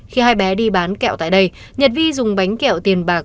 khi hai bé đi bán kẹo tại đây nhật vi dùng bánh kẹo tiền bạc